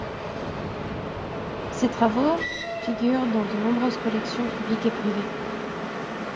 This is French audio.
Ses travaux figurent dans de nombreuses collections publiques et privées.